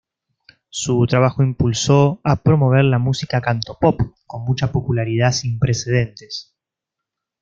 Su trabajo impulsó ha promover la música cantopop con mucha popularidad sin precedentes.